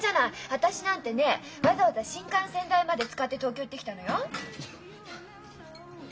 私なんてねわざわざ新幹線代まで使って東京行ってきたのよ。